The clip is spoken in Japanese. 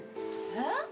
えっ？